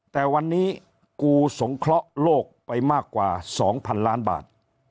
แต่วันนี้กูศงคระโลกไปมากกว่าสองพันล้านบาท